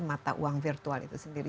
mata uang virtual itu sendiri